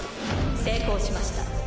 成功しました。